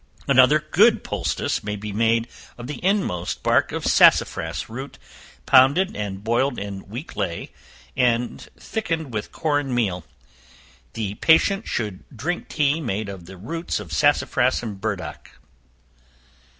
Another good poultice may be made of the inmost bark of sassafras root, pounded and boiled in weak ley, and thickened with corn meal. The patient should drink tea made of the roots of sassafras and burdock.